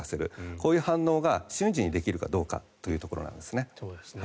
こういう反応が瞬時にできるかどうかというところなんですね。